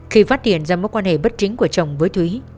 khi phát hiện ra mối quan hệ bất chính của chồng với thúy